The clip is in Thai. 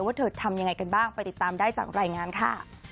ว่าเธอทำยังไงกันบ้างไปติดตามได้จากรายงานค่ะ